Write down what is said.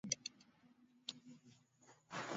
moja kwa moja kutoka studio zake mjini Washington